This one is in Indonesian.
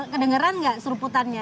kedengeran nggak seruputannya